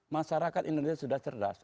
masyarakat indonesia sudah cerdas